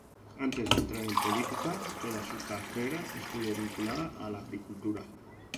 Antes de entrar en política, toda su carrera estuvo vinculada a la agricultura.